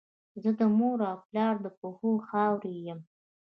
زه د مور او پلار د پښو خاوره یم.